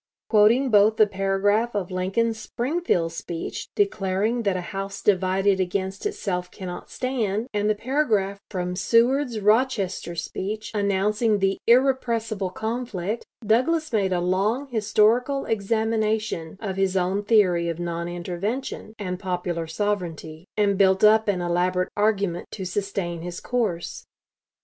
Quoting both the paragraph of Lincoln's Springfield speech declaring that "a house divided against itself cannot stand," and the paragraph from Seward's Rochester speech, announcing the "irrepressible conflict," Douglas made a long historical examination of his own theory of "non intervention" and "popular sovereignty," and built up an elaborate argument to sustain his course.